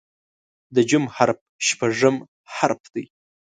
د "ج" حرف شپږم حرف دی.